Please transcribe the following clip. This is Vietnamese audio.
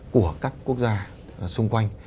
của các quốc gia xung quanh